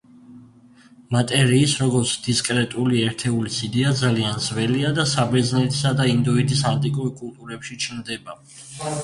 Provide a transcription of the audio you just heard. მატერიის, როგორც დისკრეტული ერთეულის იდეა ძალიან ძველია და საბერძნეთისა და ინდოეთის ანტიკურ კულტურებში ჩნდება.